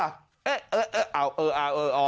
เอ๊ะเอ๊ะเอ๊ะเอาเออเออเออ